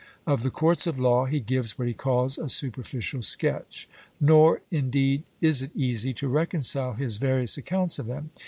Of the courts of law he gives what he calls a superficial sketch. Nor, indeed is it easy to reconcile his various accounts of them.